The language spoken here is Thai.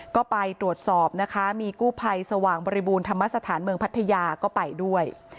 ก็ไปตรวจสอบนะคะมีกู้ภัยสว่างบริบูรณธรรมสถานเมืองพัทยาก็ไปด้วย